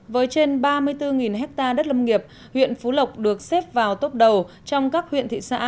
với trên ba mươi bốn hectare đất lâm nghiệp huyện phú lộc được xếp vào tốp đầu trong các huyện thị xã